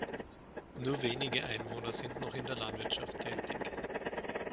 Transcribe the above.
Nur wenige Einwohner sind noch in der Landwirtschaft tätig.